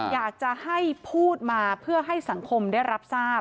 อยากจะให้พูดมาเพื่อให้สังคมได้รับทราบ